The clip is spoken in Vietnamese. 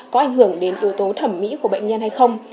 có ảnh hưởng đến yếu tố thẩm mỹ của bệnh nhân hay không